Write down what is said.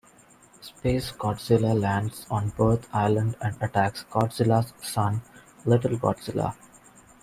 SpaceGodzilla lands on Birth Island and attacks Godzilla's son, Little Godzilla.